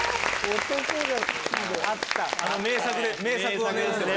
名作ですね